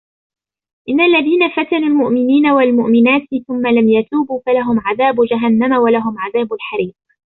إن الذين فتنوا المؤمنين والمؤمنات ثم لم يتوبوا فلهم عذاب جهنم ولهم عذاب الحريق